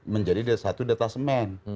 menjadi satu detasemen